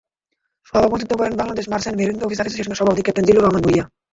সভাপতিত্ব করেন Bangladesh merchant marine officers অ্যাসোসিয়েশনের সভাপতি ক্যাপ্টেন জিল্লুর রহমান ভুঁইঞা।